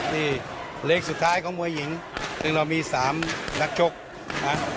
นี่เลขสุดท้ายของมวยหญิงซึ่งเรามีสามนักชกนะ